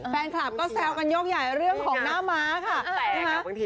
แฟนคลับก็แซวกันยกใหญ่เรื่องของหน้าม้าค่ะ